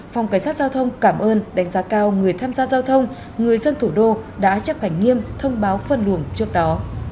phòng cảnh sát giao thông cảm ơn đánh giá cao người tham gia giao thông người dân thủ đô đã chấp hành nghiêm thông báo phân luồng trước đó